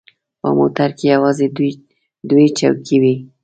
په موټر کې یوازې دوې چوکۍ وې.